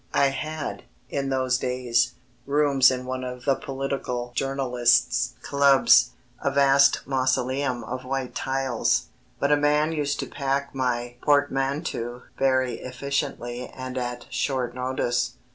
I had, in those days, rooms in one of the political journalists' clubs a vast mausoleum of white tiles. But a man used to pack my portmanteau very efficiently and at short notice.